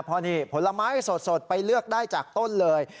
พอนี่ผลไม้สดไปเลือกได้จากต้นเลย